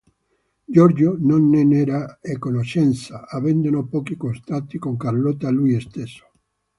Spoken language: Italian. Giorgio non ne era a conoscenza, avendo pochi contatti con Carlotta lui stesso.